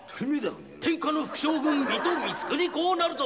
天下の副将軍水戸光圀公なるぞ。